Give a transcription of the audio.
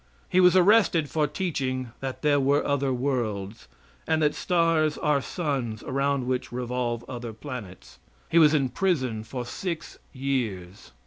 He was arrested for teaching that there were other worlds, and that stars are suns around which revolve other planets. He was in prison for six years.